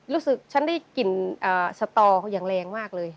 รู้สึกฉันได้กลิ่นสตอเขาอย่างแรงมากเลย